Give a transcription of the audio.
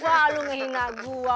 wah lu nginak gue